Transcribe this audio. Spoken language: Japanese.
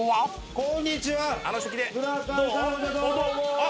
こんにちは。